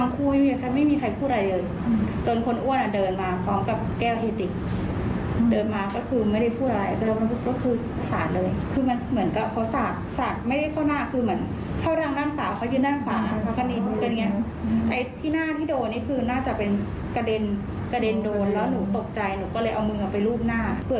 ความรู้เรื่อยเรื่อยอะมังมันดึ้งขึ้นดึ้งขึ้น